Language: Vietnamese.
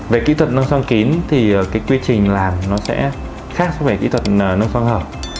về kỹ thuật nâng xoang kín thì cái quy trình làm nó sẽ khác so với kỹ thuật nâng xoang hở